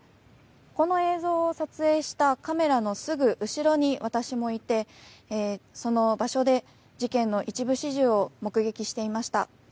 この映像を撮影したカメラのすぐ後ろに私もいて、その場所で事件の一部始終を目撃していました。